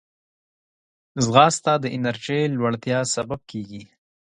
ځغاسته د انرژۍ لوړتیا سبب کېږي